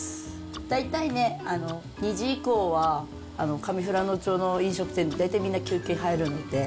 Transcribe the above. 大体ね、２時以降は上富良野町の飲食店、だいたいみんな休憩入るので。